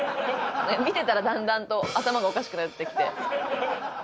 見てたらだんだんと頭がおかしくなってきて。